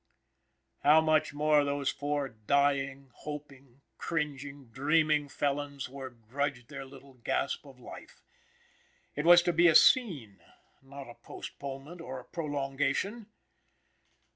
How much those four dying, hoping, cringing, dreaming felons were grudged their little gasp of life! It was to be a scene, not a postponement or a prolongation.